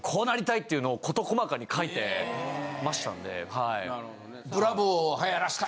はい。